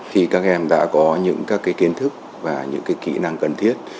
thì các em đã có những các kiến thức và những kỹ năng cần thiết